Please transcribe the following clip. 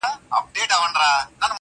زاړه خبري بيا راژوندي کيږي-